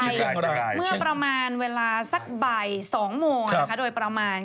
เมื่อประมาณเวลาสักบ่าย๒โมงนะคะโดยประมาณ